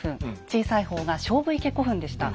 小さい方が菖蒲池古墳でした。